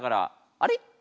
あれ？